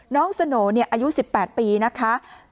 น้องสโหน่อายุ๑๘ปีนะคะ